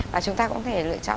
và chúng ta cũng thể lựa chọn